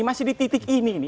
masih di titik ini nih